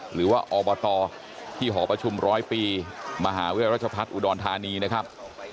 หรือว่าอบตที่หอประชุมร้อยปีมหาเวียราชภัฐอุดรธานีนะครับ